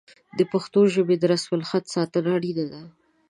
د پښتو ژبې د رسم الخط ساتنه اړینه ده.